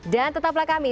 dan tetaplah kami